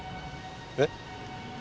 えっ？